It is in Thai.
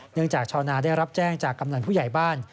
จากชาวนาได้รับแจ้งจากกำนันผู้ใหญ่บ้าน